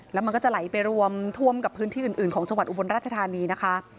แล้วมันก็จะไหลไปรวมท่วมกับพื้นที่อื่นของจังหวัดอุบลราชธานีนะคะ